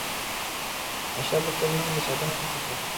اشراف د خپل نوم د ساتنې هڅه کوله.